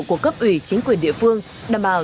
của cấp ủy chính quyền địa phương đảm bảo